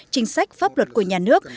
chính sách pháp luật của nhà nước